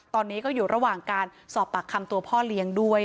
ตอนนี้ก็อยู่ระหว่างการสอบปากคำตัวพ่อเลี้ยงด้วย